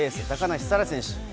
高梨沙羅選手。